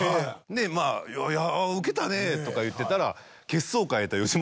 でまぁ「いやウケたね」とか言ってたら。